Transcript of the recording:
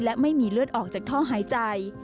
และไม่มีเลือดออกจากท่อหายใจ